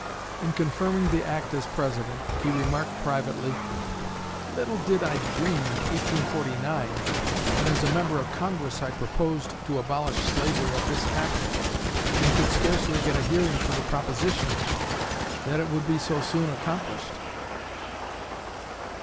In confirming the act as President, he remarked privately: "Little did I dream in 1849, when as a member of Congress I proposed to abolish slavery at this capital, and could scarcely get a hearing for the proposition, that it would be so soon accomplished."